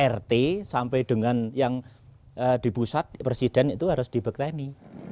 rt sampai dengan yang di pusat presiden itu harus di bekteni